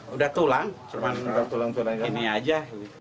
sudah tulang ini saja